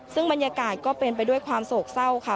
ซึ่งบรรยากาศก็เป็นไปด้วยความโศกเศร้าค่ะ